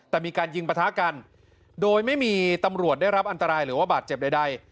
แต่มีการยิงประทะกันโดยไม่มีตำรวจได้รับอันตรายหรือว่าบาดเจ็บใด